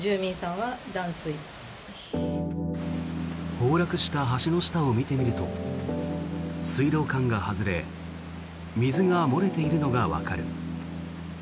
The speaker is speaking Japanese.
崩落した橋の下を見てみると水道管が外れ水が漏れているのがわかる。